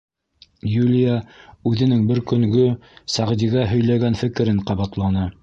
Юлия үҙенең бер көнгө Сәгдигә һөйләгән фекерен ҡабатланы: